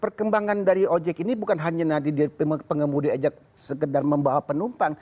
perkembangan dari ojek ini bukan hanya nanti pengemudi ajak sekedar membawa penumpang